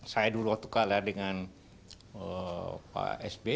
saya dulu waktu kalah dengan pak s b